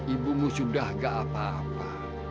ibumu sudah gak apa apa